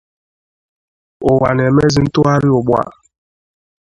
ụwa na-emezị ntụgharị ugbua